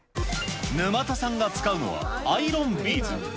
沼田さんが使うのは、アイロンビーズ。